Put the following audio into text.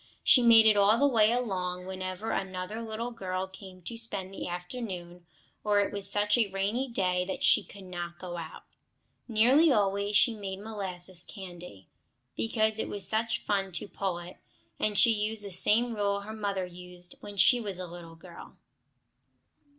She made it all the way along, whenever another little girl came to spend the afternoon, or it was such a rainy day that she could not go out. Nearly always she made molasses candy, because it was such fun to pull it, and she used the same rule her mother used when she was a little girl.